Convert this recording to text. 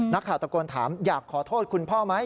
นักข่าวตะโกนถามอยากขอโทษคุณพ่อไหม